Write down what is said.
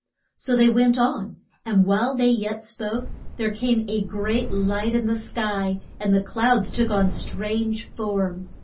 So they went on, and while they yet spoke, there came a great light in the sky, and the clouds took on strange forms.